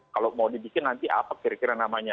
kalau mau dibikin nanti apa kira kira namanya